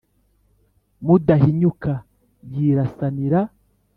Mudahinyuka yirasanira